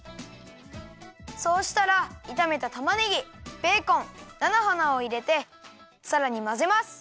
そうしたらいためたたまねぎベーコンなのはなをいれてさらにまぜます。